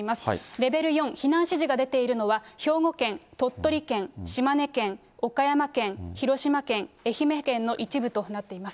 レベル４、避難指示が出ているのは、兵庫県、鳥取県、島根県、岡山県、広島県、愛媛県の一部となっています。